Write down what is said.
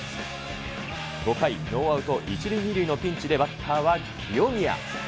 ５回、ノーアウト１塁２塁のピンチでバッターは清宮。